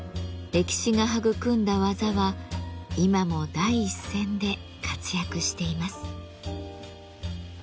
歴史が育んだ技は今も第一線で活躍しています。